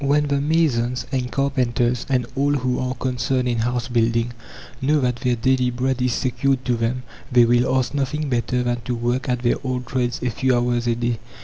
When the masons, and carpenters, and all who are concerned in house building, know that their daily bread is secured to them, they will ask nothing better than to work at their old trades a few hours a day.